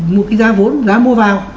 mua cái giá vốn giá mua vào